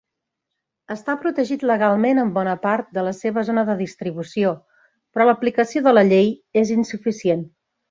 Està protegit legalment en bona part de la seva zona de distribució, però l'aplicació de la llei és insuficient.